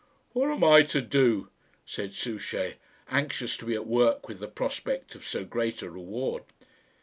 "What am I to do?" said Souchey, anxious to be at work with the prospect of so great a reward.